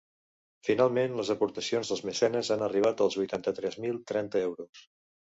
Finalment, les aportacions dels mecenes han arribat als vuitanta-tres mil trenta euros.